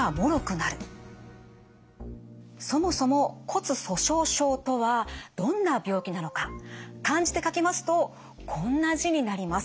そもそも骨粗しょう症とはどんな病気なのか漢字で書きますとこんな字になります。